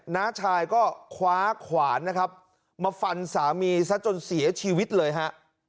น้าชายก็คว้าขวานนะครับมาฟันสามีซะจนเสียชีวิตเลยฮะ